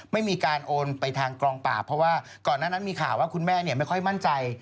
ไม่มีการโอนไปทางกองปราบเพราะว่าก่อนหน้านั้นมีข่าวว่าคุณแม่ไม่ค่อยมั่นใจ